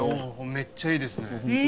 めっちゃいいですねええ